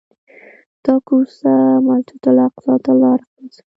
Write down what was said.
دا کوڅه مسجدالاقصی ته لاره خلاصوي.